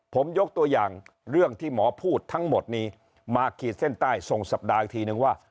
ผมยกตัวอย่างเรื่องที่หมอพูดทั้งหมดนี้มาขีดเส้นใต้ส่งสัปดาห์อีกทีนึงว่า